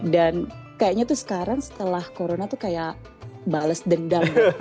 dan kayaknya itu sekarang setelah corona tuh kayak bales dendam